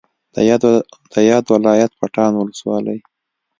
د یاد ولایت پټان ولسوالۍ